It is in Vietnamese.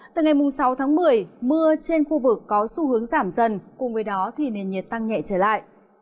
từ ngày sáu tháng một mươi mưa trên khu vực có xu hướng giảm dần cùng với đó thì nền nhiệt tăng nhẹ trở lại